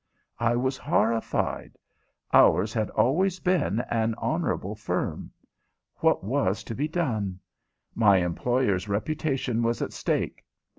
I was horrified. Ours had always been an honorable firm. What was to be done? My employers' reputation was at stake.